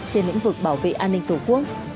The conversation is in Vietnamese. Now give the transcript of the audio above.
trên lĩnh vực bảo vệ an ninh tổ quốc